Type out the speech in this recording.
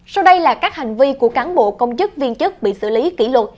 sau đây là các hành vi của cán bộ công chức viên chức bị xử lý kỷ luật